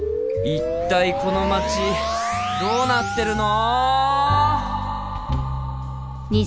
一体この街どうなってるの！？